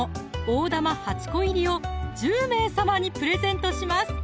大玉８個入を１０名様にプレゼントします